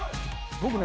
僕ね